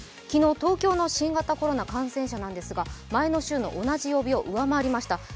昨日、東京の新型コロナ感染者ですが、前の週の同じ曜日を上回りました。